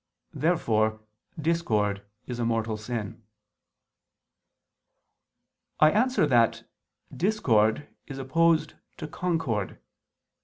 Therefore discord is a mortal sin. I answer that, Discord is opposed to concord.